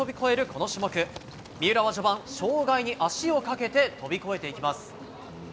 この種目、三浦は序盤、障害に足をかけて飛び越えていきます。